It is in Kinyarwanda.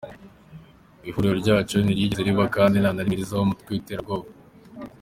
Ihuriro ryacu ntiryigeze riba, kandi nta na rimwe rizaba umutwe w’iterabwoba.